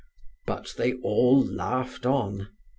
But they all laughed on.